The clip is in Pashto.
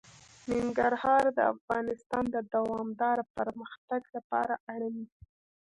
ننګرهار د افغانستان د دوامداره پرمختګ لپاره اړین دي.